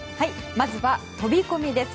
まずは飛込です。